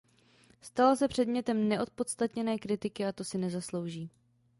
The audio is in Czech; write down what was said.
Stala se předmětem neopodstatněné kritiky a to si nezaslouží.